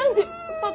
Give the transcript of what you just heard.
パパ！